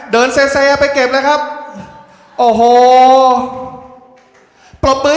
เย็นมากอ๋ออ่าแล้วเอาสุดขาวได้เลย